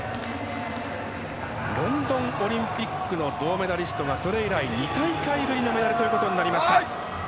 ロンドンオリンピックの銅メダリストがそれ以来２大会ぶりのメダルということになりました。